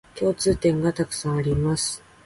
共通点がたくさんあります